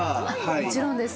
もちろんです。